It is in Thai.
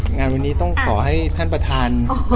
งานวันนี้ต้องขอให้ท่านประธาน